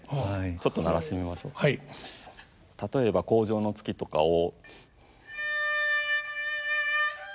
例えば「荒城の月」とかを。